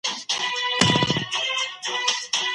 سود د ټولني اقتصاد ته سخت زیان رسوي.